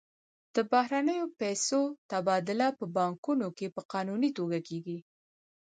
د بهرنیو پیسو تبادله په بانکونو کې په قانوني توګه کیږي.